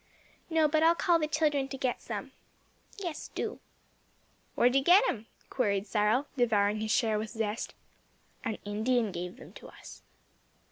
"No, but I'll call the children to get some.' "Yes, do." "Where did you get em?" queried Cyril, devouring his share with zest. "An Indian gave them to us."